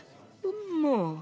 まあ。